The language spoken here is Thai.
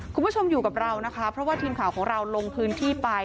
คุณผู้ชมอยู่กับเรานะคะเพราะว่าทีมข่าวของเราลงพื้นที่ไป